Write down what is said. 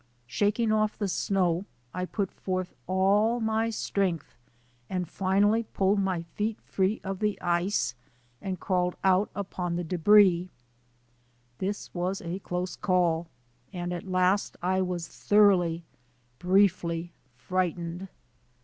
Shaking oil the snow I put forth all my strength and finally pulled my feet free of the iee and crawled out upon the de bris. This was a close call and at last 1 was thoroughly, briefly, frightened.